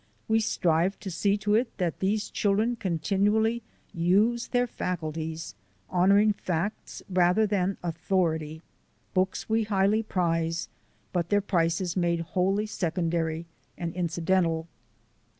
We strive to see to it that these children continually use their faculties, honouring facts rather than authority. Books we highly prize, but their place is made wholly second ary and incidental.